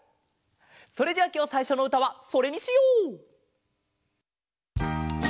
それじゃあきょうさいしょのうたはそれにしよう！